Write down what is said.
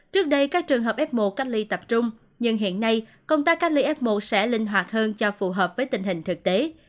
trước đây các trường hợp f một cách ly tập trung nhưng hiện nay công tác cách ly f một sẽ linh hoạt hơn cho phù hợp với tình hình thực tế